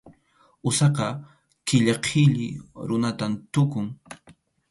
Usaqa qilla qhilli runatam tukun.